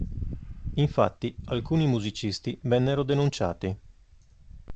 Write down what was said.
Infatti alcuni musicisti vennero denunciati.